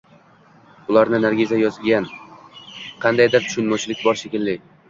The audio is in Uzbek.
Bularni Nargiza yozmagan, qandaydir tushunmovchilik bor shekilli